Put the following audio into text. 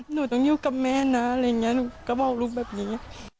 หนูต้องอยู่กับแม่นะอะไรอย่างนี้หนูก็บอกลูกแบบนี้